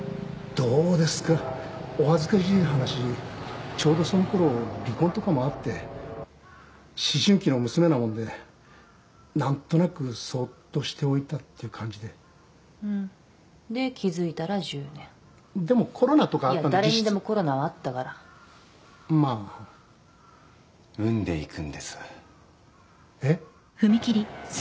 どうですかお恥ずかしい話ちょうどそのころ離婚とかもあって思春期の娘なもんでなんとなくそっとしておいたっていう感じでうんで気づいたら１０年でもコロナとかあったんでいや誰にでもコロナはあったからまあ膿んでいくんですえっ？